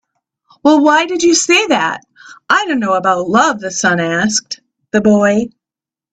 "Well, why did you say that I don't know about love?" the sun asked the boy.